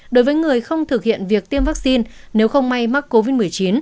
đối với người không thực hiện việc tiêm vaccine nếu không may mắc covid một mươi chín